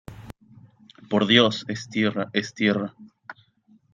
¡ por Dios, es tierra , es tierra!